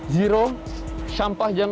zero sampah jangan